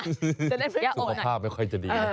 สุขภาพไม่ค่อยจะดีนะ